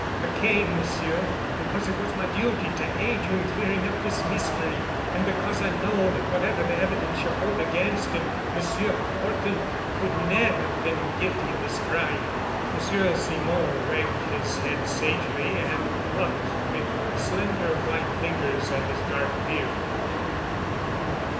"I came, Messieurs, because it was my duty to aid you in clearing up this mystery, and because I know that whatever the evidence you hold against him, Monsieur Horton could never have been guilty of this crime." Monsieur Simon wagged his head sagely and plucked with slender white fingers at his dark beard.